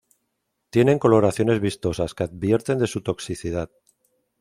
Tienen coloraciones vistosas que advierten de su toxicidad.